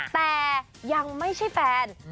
แต่ยังไม่ใช่แฟน